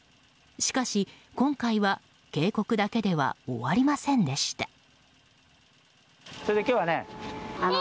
しかし、今回は警告だけでは終わりませんでした。